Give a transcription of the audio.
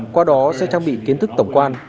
qua đó sẽ trang bị kiến thức tổng quan